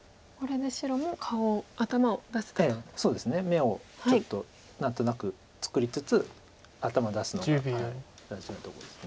眼をちょっと何となく作りつつ頭出すのが大事なとこです。